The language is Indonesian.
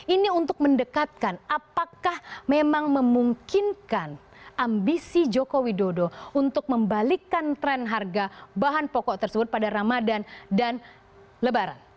ini untuk mendekatkan apakah memang memungkinkan ambisi joko widodo untuk membalikkan tren harga bahan pokok tersebut pada ramadan dan lebaran